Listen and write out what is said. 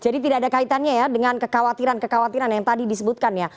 jadi tidak ada kaitannya ya dengan kekhawatiran kekhawatiran yang tadi disebutkan ya